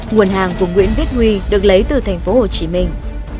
nguồn hàng của nguyễn bích huy được lấy từ thành phố hồ chí minh